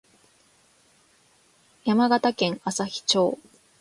山形県朝日町